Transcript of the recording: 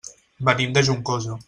Venim de Juncosa.